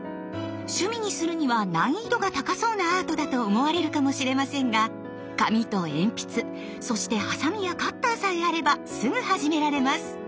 趣味にするには難易度が高そうなアートだと思われるかもしれませんが紙と鉛筆そしてハサミやカッターさえあればすぐ始められます！